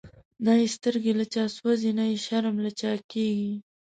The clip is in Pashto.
نه یی سترګی له چا سوځی، نه یی شرم له چا کیږی